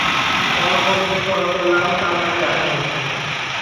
কলম্বোর একটি সড়কের নাম তার নামে রাখা হয়েছে।